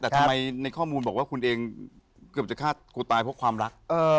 แต่ทำไมในข้อมูลบอกว่าคุณเองเกือบจะฆ่ากูตายเพราะความรัก